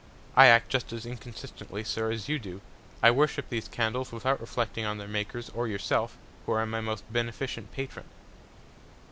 I act just as inconsistently, Sir, as you do; I worship these Candles; without reflecting on their Makers, or yourself, who are my most beneficent Patron.